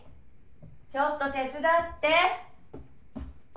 ちょっと手伝って！